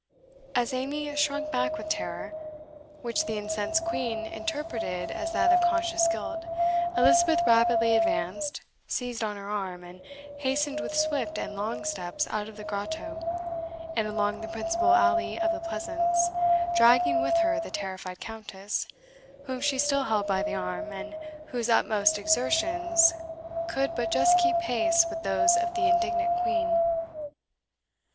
As Amy shrunk back with terror, which the incensed Queen interpreted as that of conscious guilt, Elizabeth rapidly advanced, seized on her arm, and hastened with swift and long steps out of the grotto, and along the principal alley of the Pleasance, dragging with her the terrified Countess, whom she still held by the arm, and whose utmost exertions could but just keep pace with those of the indignant Queen.